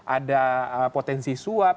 ada potensi suap